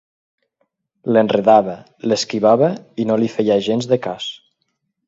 L'enredava, l'esquivava i no li feia gens de cas.